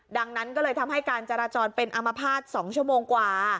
ดังนั้นก็เลยทำให้การจราจรเป็นอามภาษณ์๒ชั่วโมงกว่า